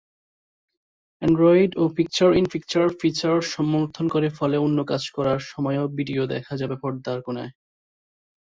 Android ও picture in picture feature সমর্থন করে ফলে অন্য কাজ করার সময়ও ভিডিও দেখা যাবে পর্দার কোনায়।